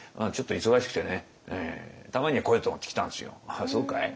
「ああそうかい？」